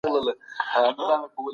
ټولنه د متخصصینو اړتیا لري.